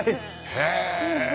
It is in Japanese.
へえ！